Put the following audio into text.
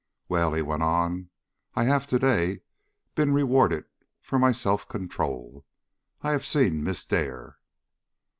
Well," he went on, "I have to day been rewarded for my self control. I have seen Miss Dare."